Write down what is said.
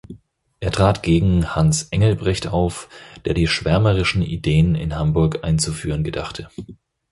Er trat gegen Hans Engelbrecht auf, der die schwärmerischen Ideen in Hamburg einzuführen gedachte.